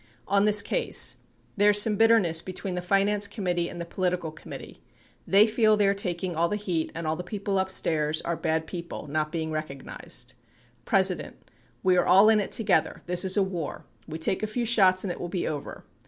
On this case. There is some bitterness between the Finance Committee and the Political Committee — they feel they are taking all the heat and all the people upstairs are bad people — not being recognized. P. We are all in it together. This is a war. We take a few shots and it will be over.